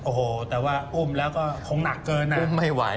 โอ้โหแต่ว่าอุ้มแล้วก็คงหนักเกินนะ